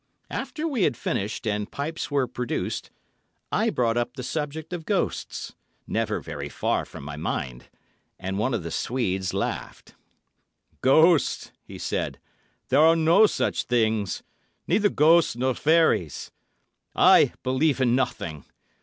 After we had finished, and pipes were produced, I brought up the subject of ghosts—never very far from my mind—and one of the Swedes laughed. "Ghosts," he said, "there are no such things. Neither ghosts nor fairies. I believe in nothing.